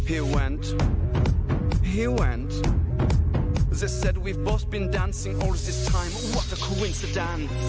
อีเนอร์แกะก็เดินแหละนะ๓คำเดียวเลยพ่อร้อนมั้ยจ๊ะ